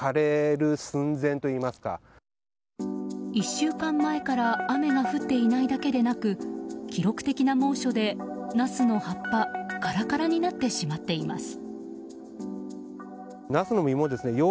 １週間前から雨が降っていないだけでなく記録的な猛暑でナスの葉っぱがカラカラになってしまっています。